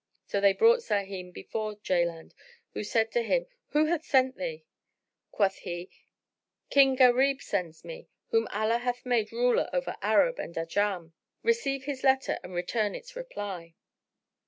So they brought Sahim before Jaland, who said to him, "Who hath sent thee?" Quoth he, "King Gharib sends me, whom Allah hath made ruler over Arab and Ajam; receive his letter and return its reply."